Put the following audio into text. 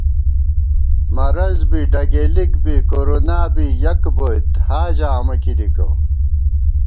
مرض بی ڈگېلِک بی کورونا بی یَک بوئیت حاجاں امہ کی دِکہ